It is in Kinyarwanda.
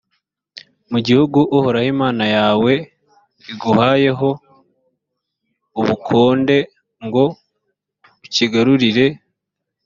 mu gihugu uhoraho imana yawe aguhayeho ubukonde ngo ukigarurire,